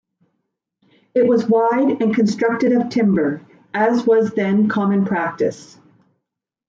It was wide and constructed of timber, as was then common practice.